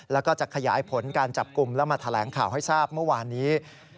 แล้วก็จะขยายผลการจับกลุ่มแล้วมาแถลงข่าวให้ทราบเมื่อวานนี้